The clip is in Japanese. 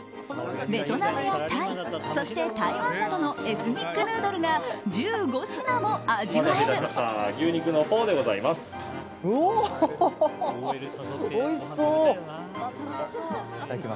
ベトナムやタイそして台湾などのエスニックヌードルが１５品も味わえる。